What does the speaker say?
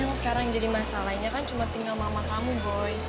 yang sekarang jadi masalahnya kan cuma tinggal mama kamu boy